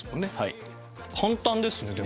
簡単ですねでも。